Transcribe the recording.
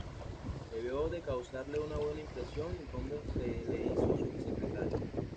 Debió de causarle una buena impresión, y Combes le hizo su secretario.